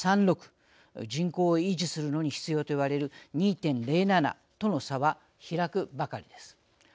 人口を維持するのに必要と言われる２．０７との差は開くばかりです。